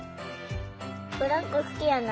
ブランコ好きやな。